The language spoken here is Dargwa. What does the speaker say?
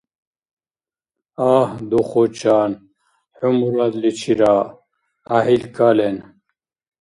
Агь, духучан! ХӀу мурадличи раъ! ГӀяхӀил кален!